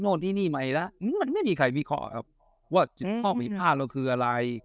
โนททีนี้ไหมแล้วมันไม่มีใครมีขอว่าข้อมีผ้าแล้วคืออะไร